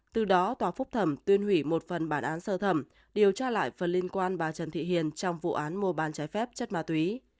từ đó tòa phúc thẩm tuyên hủy một phần bản án sơ thẩm điều tra lại phần liên quan bà trần thị hiền trong vụ án mua bán trái phép chất ma túy